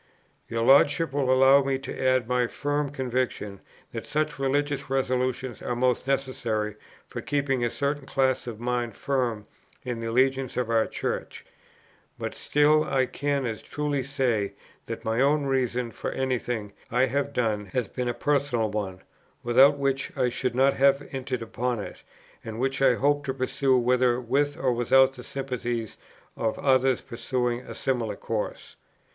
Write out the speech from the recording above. Your Lordship will allow me to add my firm conviction that such religious resolutions are most necessary for keeping a certain class of minds firm in their allegiance to our Church; but still I can as truly say that my own reason for any thing I have done has been a personal one, without which I should not have entered upon it, and which I hope to pursue whether with or without the sympathies of others pursuing a similar course....